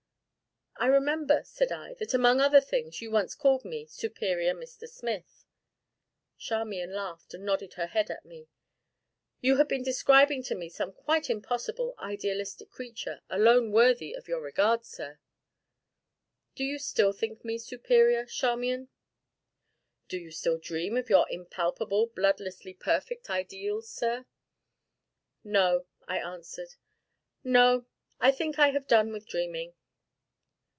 "I remember," said I, "that, among other things, you once called me 'Superior Mr. Smith.'" Charmian laughed and nodded her head at me. "You had been describing to me some quite impossible, idealistic creature, alone worthy of your regard, sir." "Do you still think me 'superior,' Charmian?" "Do you still dream of your impalpable, bloodlessly perfect ideals, sir?" "No," I answered; "no, I think I have done with dreaming."